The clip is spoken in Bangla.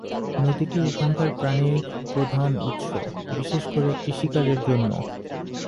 নদীটি এখানকার পানির প্রধান উৎস, বিশেষ করে কৃষি কাজের জন্য।